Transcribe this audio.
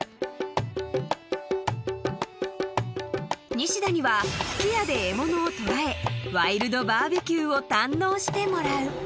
［ニシダには吹き矢で獲物を捕らえワイルドバーベキューを堪能してもらう］